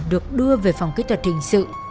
được đưa về phòng kỹ thuật hình sự